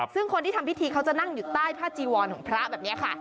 ซึ่งคนที่ทำพิธีเขาจะนั่งอยู่ใต้ผ้าจีวรของพระแบบนี้ค่ะ